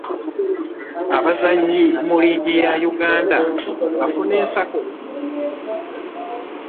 Abazannyira mu liigi ya Uganda bafuna ensako ?